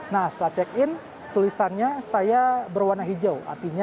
nah setelah check in tulisannya saya berwarna hijau artinya